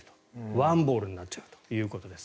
１ボールになっちゃうということです。